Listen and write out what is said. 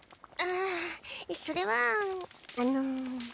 あそれはあの。